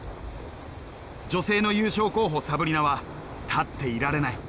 女性の優勝候補サブリナは立っていられない。